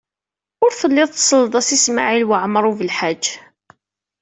Ur tellid tselled-as i Smawil Waɛmaṛ U Belḥaǧ.